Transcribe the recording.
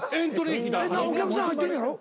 お客さん入ってんねやろ？